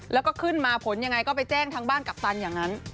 แล้วก็ขึ้นมาผลยังไงก็ไปแจ้งทางบ้านกัปตันอย่างนั้น